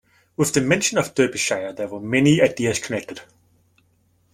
With the mention of Derbyshire there were many ideas connected.